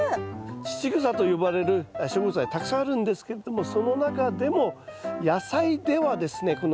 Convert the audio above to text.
乳草と呼ばれる植物はたくさんあるんですけれどもその中でも野菜ではですね